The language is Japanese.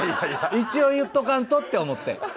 一応言っとかんとって思って。